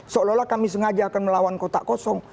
seolah olah kami sengaja akan melawan kotak kosong